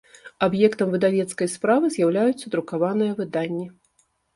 Аб’ектам выдавецкай справы з’яўляюцца друкаваныя выданнi.